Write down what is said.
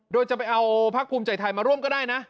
โดยจะไปเอาพักภูมิใจไทยมาร่วมก็ได้นะ